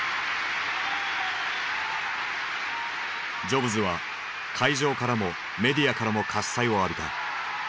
ジョブズは会場からもメディアからも喝采を浴びた。